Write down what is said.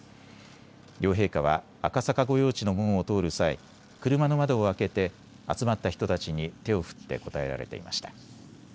両陛下は赤坂御用地の門を通る際、車の窓を開けて集まった人たちに手を振って応えられていました。